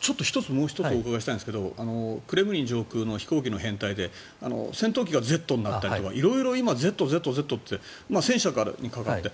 ちょっと１つお伺いしたいんですがクレムリン上空の飛行機の編隊で戦闘機が「Ｚ」になったりとか今色々なものが「Ｚ」って戦車にかかって。